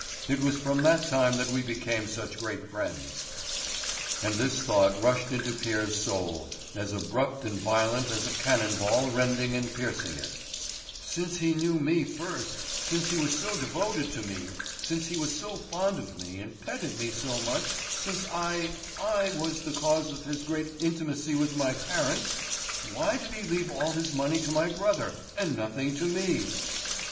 It was from that time that we became such great friends." And this thought rushed into Pierre's soul, as abrupt and violent as a cannon ball rending and piercing it: "Since he knew me first, since he was so devoted to me, since he was so fond of me and petted me so much, since I—I was the cause of his great intimacy with my parents, why did he leave all his money to my brother and nothing to me?"